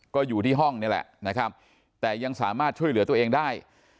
ก็อยู่ที่ห้องนี่แหละนะครับแต่ยังสามารถช่วยเหลือตัวเองได้